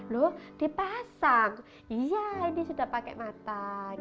loh dipasang iya ini sudah pakai mata